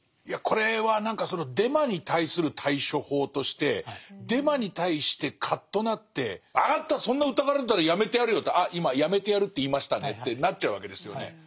いやこれは何かそのデマに対する対処法としてデマに対してカッとなって「分かったそんな疑われるんだったらやめてやるよ」って「あ今やめてやるって言いましたね」ってなっちゃうわけですよね。